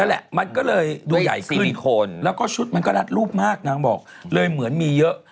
แหละมันก็เลยดวงใหญ่ซิลิโคนแล้วก็ชุดมันก็รัดรูปมากนางบอกเลยเหมือนมีเยอะ